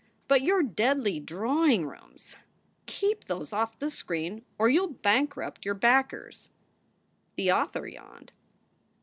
But your deadly drawing rooms keep those off the screen or you ll bankrupt your backers." The author yawned.